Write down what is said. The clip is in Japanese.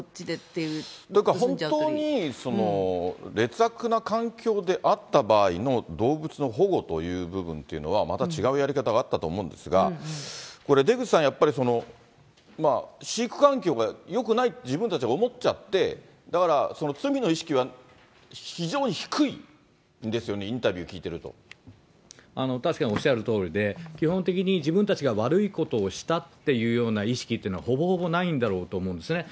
というか、本当に劣悪な環境であった場合の動物の保護という部分というのは、また違うやり方があったと思うんですが、これ、出口さん、やっぱり飼育環境がよくないって自分たちが思っちゃって、だから、その罪の意識は非常に低いですよね、確かにおっしゃるとおりで、基本的に自分たちが悪いことをしたっていうような意識っていうのは、ほぼほぼないんだろうと思うんですよね。